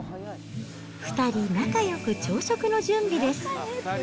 ２人仲よく朝食の準備です。